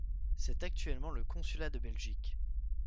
C'est actuellement le consulat de Belgique.